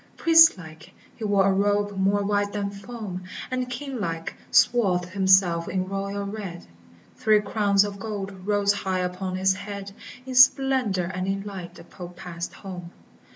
Priest like, he wore a robe more white than foam, And, king like, swathed himself in royal red, Three crowns of gold rose high upon his head : In splendor and in light the Pope passed home.